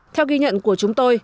theo ghi nhận của chúng tôi